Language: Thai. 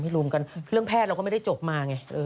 รวมกันเรื่องแพทย์เราก็ไม่ได้จบมาไง